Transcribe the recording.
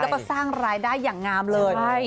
แล้วก็สร้างรายได้อย่างงามเลย